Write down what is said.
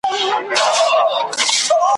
نیمايی ډوډۍ یې نه وه لا خوړلې `